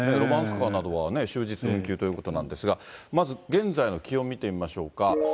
ロマンスカーなどは休日運休ということなんですが、まず現在の気温見てみましょうか。